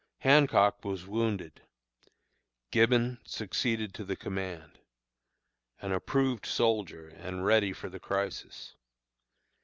"Hancock was wounded; Gibbon succeeded to the command an approved soldier, and ready for the crisis.